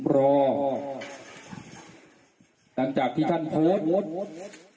หลังจากที่ท่านโพสต์